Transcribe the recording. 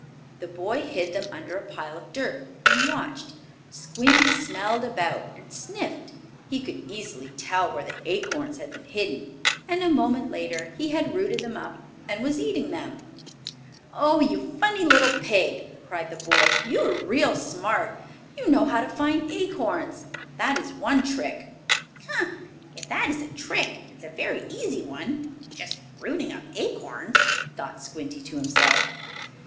The boy hid them under a pile of dirt, and watched. Squinty smelled about, and sniffed. He could easily tell where the acorns had been hidden, and, a moment later, he had rooted them up and was eating them. "Oh, you funny little pig!" cried the boy. "You are real smart! You know how to find acorns. That is one trick." "Ha! If that is a trick, it is a very easy one just rooting up acorns," thought Squinty to himself.